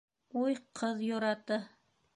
— Уй ҡыҙ йораты!